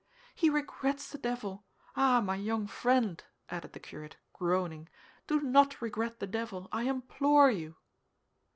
"He regrets the devil! Ah, my young friend," added the curate, groaning, "do not regret the devil, I implore you!"